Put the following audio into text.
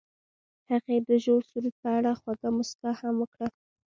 هغې د ژور سرود په اړه خوږه موسکا هم وکړه.